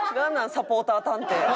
サポーター探偵。